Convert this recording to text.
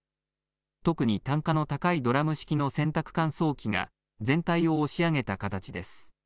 特に単価の高いドラム式の洗濯乾燥機が全体を押し上げた形です。